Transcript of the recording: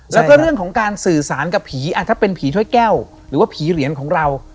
แล้วก็เรื่องของการสื่อสารกับผีถ้าเป็นผีถ้วยแก้วหรือว่าผีเหรียญของเรา